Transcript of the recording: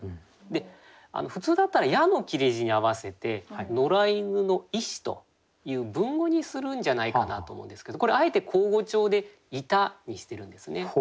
で普通だったら「や」の切れ字に合わせて「野良犬のゐし」という文語にするんじゃないかなと思うんですけどこれあえて口語調で「ゐた」にしてるんですね。